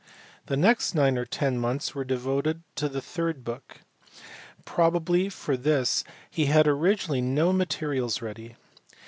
The next nine or ten months were devoted to the third book. Probably for this he had originally no materials ready.